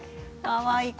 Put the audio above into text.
かわいい。